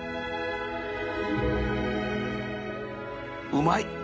うまい